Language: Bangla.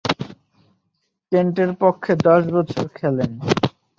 কেন্টের পক্ষে দশ বছর খেলেন।